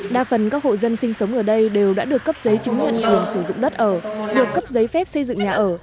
đa phần các hộ dân sinh sống ở đây đều đã được cấp giấy chứng nhận quyền sử dụng đất ở được cấp giấy phép xây dựng nhà ở